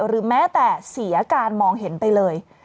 หรือแม้แต่เสียการมองเห็นไปเลย